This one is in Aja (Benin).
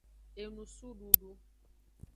Enusududu.